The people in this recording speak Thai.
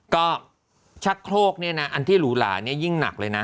ก็ชักโครกเนี่ยนะอันที่หรูหลาเนี่ยยิ่งหนักเลยนะ